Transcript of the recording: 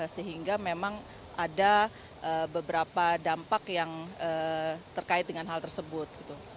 sehingga memang ada beberapa dampak yang terkait dengan hal tersebut